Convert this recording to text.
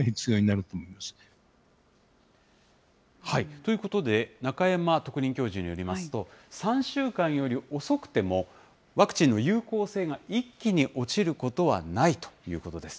ということで、中山特任教授によりますと、３週間より遅くても、ワクチンの有効性が一気に落ちることはないということです。